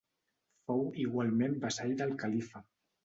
Fou igualment vassall del Califa.